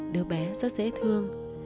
đứa bé rất dễ thương